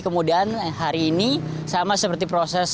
kemudian hari ini sama seperti proses